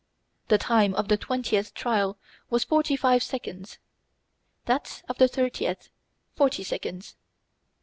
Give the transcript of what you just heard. The time of the twentieth trial was forty five seconds; that of the thirtieth, forty seconds.